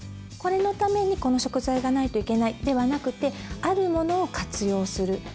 これのためにこの食材がないといけないではなくてあるものを活用する。